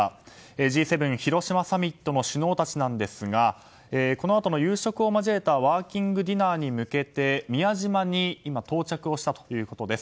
Ｇ７広島サミットの首脳たちなんですがこのあとの夕食を交えたワーキングディナーに向けて宮島に今、到着をしたということです。